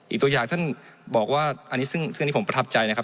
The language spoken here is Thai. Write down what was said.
อีกตัวอย่างท่านบอกว่าอันนี้ผมประทับใจนะครับ